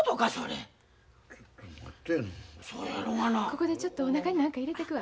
ここでちょっとおなかに何か入れてくわ。